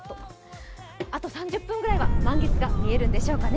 あと３０分ぐらいは満月が見えるんでしょうかね。